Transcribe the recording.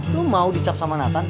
lo mau dicap sama nathan